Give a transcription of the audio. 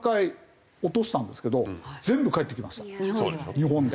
日本で？